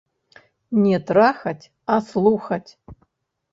Не трахаць, а слухаць!